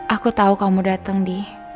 aku tau kamu dateng di